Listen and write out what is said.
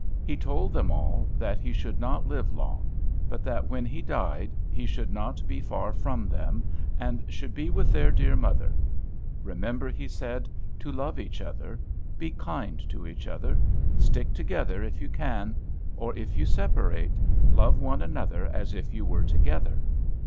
He told them all that he should not live long; but that when he died he should not be far from them, and should be with their dear mother. "Remember," he said, "to love each other. Be kind to each other. Stick together, if you can. Or, if you separate, love one another as if you were together."